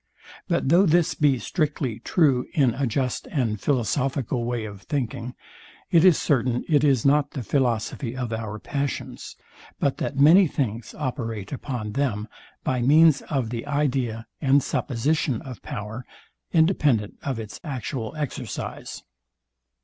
But though this be strictly true in a just and philosophical way of thinking, it is certain it is not the philosophy of our passions; but that many things operate upon them by means of the idea and supposition of power, independent of its actual exercise.